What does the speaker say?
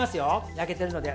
焼けてるので。